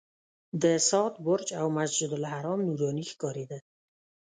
د ساعت برج او مسجدالحرام نوراني ښکارېده.